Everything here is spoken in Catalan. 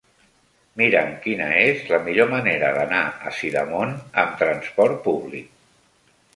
Mira'm quina és la millor manera d'anar a Sidamon amb trasport públic.